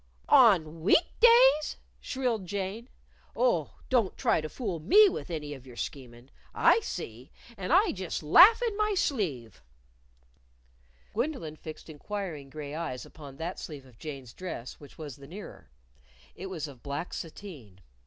"On week days?" shrilled Jane. "Oh, don't try to fool me with any of your schemin'! I see. And I just laugh in my sleeve!" Gwendolyn fixed inquiring gray eyes upon that sleeve of Jane's dress which was the nearer. It was of black sateen.